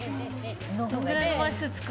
どんぐらいの枚数使う。